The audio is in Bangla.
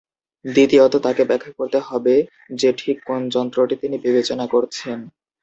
দ্বিতীয়ত, তাকে ব্যাখ্যা করতে হবে যে ঠিক কোন "যন্ত্র"টি তিনি বিবেচনা করছেন।